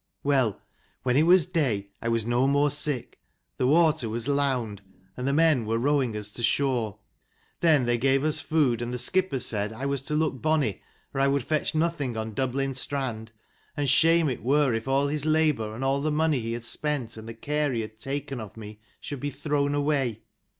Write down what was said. " Well, when it was day, I was no more sick, the water was lound, and the men were rowing us to shore. Then they gave us food, and. the skipper said I was to look bonny, or I would fetch nothing on Dublin strand, and shame it were if all his labour and all the money he had spent and the care he had taken of me should be thrown away.